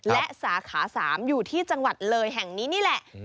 และสาขา๓อยู่ที่จังหวัดเลยแห่งนี้นี่แหละ